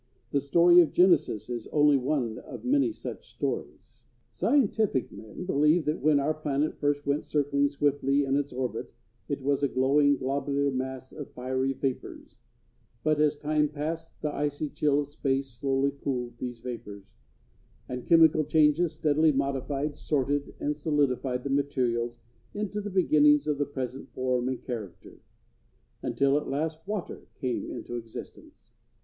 The story in Genesis is only one of many such stories. [Illustration: A QUIET SEA, AND THE SUN AT MIDNIGHT. From a photograph.] Scientific men believe that when our planet first went circling swiftly in its orbit it was a glowing, globular mass of fiery vapors; but as time passed, the icy chill of space slowly cooled these vapors, and chemical changes steadily modified, sorted, and solidified the materials into the beginnings of the present form and character, until at last water came into existence.